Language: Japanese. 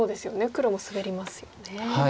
黒もスベりますよね。